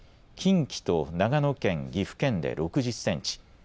近畿と長野県岐阜県で６０センチ